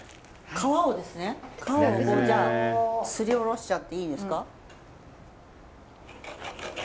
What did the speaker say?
皮をじゃあすりおろしちゃっていいんですか？